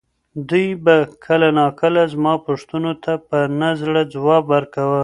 دوی به کله ناکله زما پوښتنو ته په نه زړه ځواب ورکاوه.